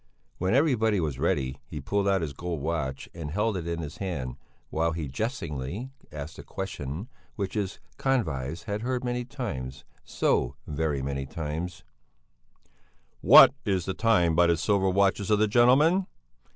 When everybody was ready, he pulled out his gold watch and held it in his hand while he jestingly asked a question which his convives had heard many times so very many times: "What is the time by the silver watches of the gentlemen?"